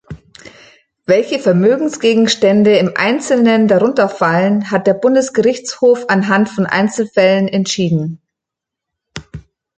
Welche Vermögensgegenstände im Einzelnen darunter fallen, hat der Bundesgerichtshof anhand von Einzelfällen entschieden.